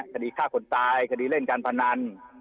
คดีฆ่าคนตายคดีเล่นการพนัน